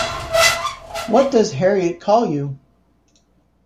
What does Harriet call you?